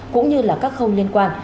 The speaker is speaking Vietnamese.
cũng như là các khâu liên quan